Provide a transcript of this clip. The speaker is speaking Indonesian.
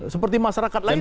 seperti masyarakat lainnya